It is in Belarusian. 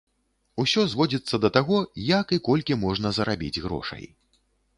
Усё зводзіцца да таго, як і колькі можна зарабіць грошай.